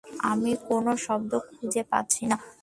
আমি কোনো শব্দ খুজে পাচ্ছি না।